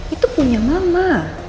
itu punya mama